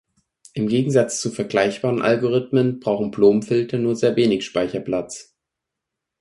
Im Gegensatz zu vergleichbaren Algorithmen brauchen Bloom-Filter nur sehr wenig Speicherplatz.